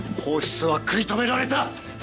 放出は食い止められた！